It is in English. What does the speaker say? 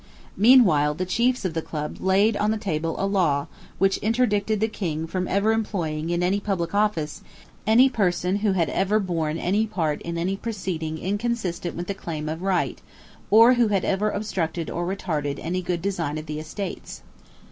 Meanwhile the chiefs of the Club laid on the table a law which interdicted the King from ever employing in any public office any person who had ever borne any part in any proceeding inconsistent with the Claim of Right, or who had ever obstructed or retarded any good design of the Estates.